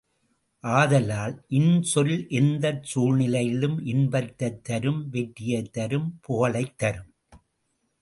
ஆதலால், இன்சொல் எந்தச் சூழ்நிலையிலும் இன்பத்தைத் தரும் வெற்றியைத் தரும் புகழ்மையைத் தரும்.